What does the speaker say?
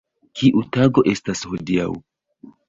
Kiu tago estas hodiaŭ?